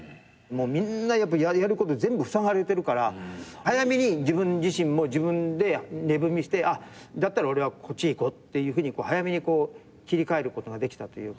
みんなやること全部ふさがれてるから早めに自分自身も自分で値踏みしてだったら俺はこっちへ行こうってふうに早めに切り替えることができたというか。